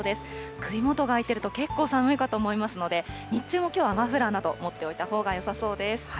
首元があいてると結構寒いかと思いますので、日中もきょうはマフラーなど持っていたほうがよさそうです。